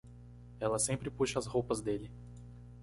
Ela sempre puxa as roupas dele